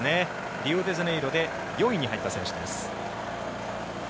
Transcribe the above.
リオデジャネイロで４位に入った選手です。